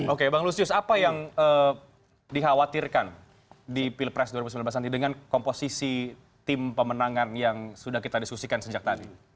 oke bang lusius apa yang dikhawatirkan di pilpres dua ribu sembilan belas nanti dengan komposisi tim pemenangan yang sudah kita diskusikan sejak tadi